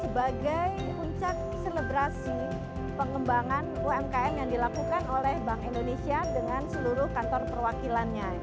sebagai puncak selebrasi pengembangan umkm yang dilakukan oleh bank indonesia dengan seluruh kantor perwakilannya